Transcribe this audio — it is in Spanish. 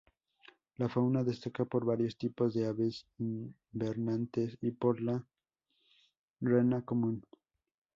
La fauna destaca por varios tipos de aves invernantes y por la rana común.